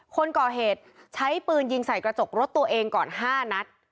คนก่อเหตุใช้ปืนยิงใส่กระจกรถตัวเองก่อน๕นัด